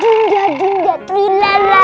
dinda dinda dinda